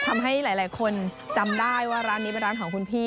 ทำให้หลายคนจำได้ว่าร้านนี้เป็นร้านของคุณพี่